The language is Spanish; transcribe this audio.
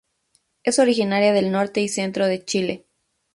Es originaria del norte y centro de Chile.